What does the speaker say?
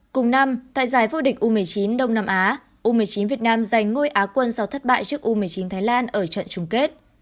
cùng năm tại giải vô địch u một mươi chín đông nam á u một mươi chín việt nam giành ngôi á quân sau thất bại trước u một mươi chín thái lan ở trận chung kết